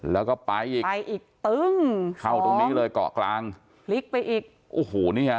แล้วก็ไปอีกไปอีกตึ้งเข้าตรงนี้เลยเกาะกลางพลิกไปอีกโอ้โหนี่ฮะ